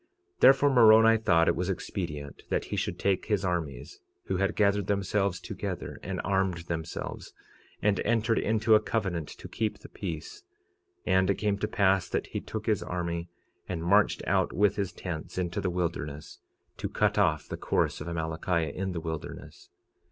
46:31 Therefore Moroni thought it was expedient that he should take his armies, who had gathered themselves together, and armed themselves, and entered into a covenant to keep the peace—and it came to pass that he took his army and marched out with his tents into the wilderness, to cut off the course of Amalickiah in the wilderness.